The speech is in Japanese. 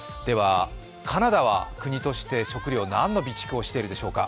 カナダは国としての食料、何の備蓄をしているでしょうか。